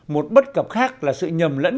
một bất cập khác là sự nhầm lẫn